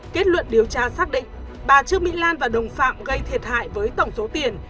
kết luận điều tra xác định bà trương mỹ lan và đồng phạm gây thiệt hại với tổng số tiền